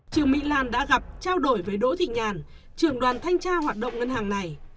trương mỹ lan đã gặp trao đổi với đỗ thị nhàn trường đoàn thanh tra hoạt động ngân hàng này